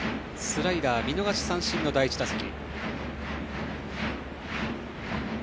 スライダー、見逃し三振の第１打席。